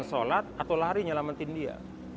sholat atau lari nyelamatin dia